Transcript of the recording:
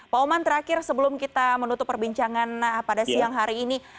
pak oman terakhir sebelum kita menutup perbincangan pada siang hari ini